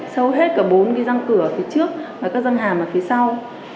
sâu hết cả bốn cái răng cửa ở phía trước và các răng hàm ở phía sau